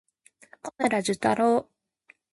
小村寿太郎